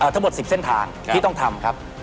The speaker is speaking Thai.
ทั้งหมด๑๐เส้นทางที่ต้องทำครับ